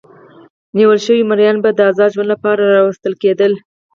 نیول شوي مریان به د ازاد ژوند لپاره راوستل کېدل.